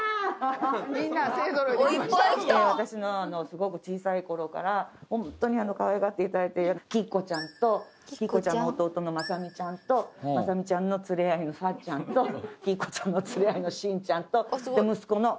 私のすごく小さいころからホントにかわいがっていただいてる起久子ちゃんと起久子ちゃんの弟の雅巳ちゃんと雅巳ちゃんの連れ合いのさっちゃんと起久子ちゃんの連れ合いのしんちゃんとで息子の。